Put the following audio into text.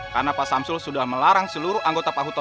karena pak samsul sudah melarang seluruh anggota sirte